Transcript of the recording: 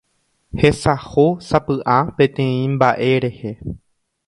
hesahósapy'a peteĩ mba'e rehe